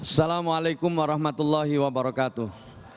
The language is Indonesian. assalamualaikum warahmatullahi wabarakatuh